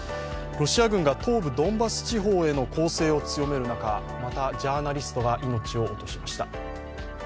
ロシア軍が東部ドンバス地方への攻勢を強める中また、ジャーナリストが命を落としました。